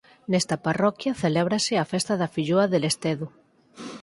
Nesta parroquia celébrase a festa da filloa de Lestedo.